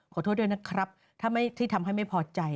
ขอโทษด้วยนะครับถ้าที่ทำให้ไม่พอใจ